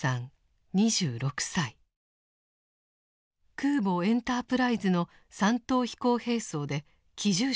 空母「エンタープライズ」の三等飛行兵曹で機銃手でした。